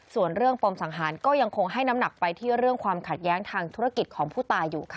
ส่วนเรื่องปมสังหารก็ยังคงให้น้ำหนักไปที่เรื่องความขัดแย้งทางธุรกิจของผู้ตายอยู่ค่ะ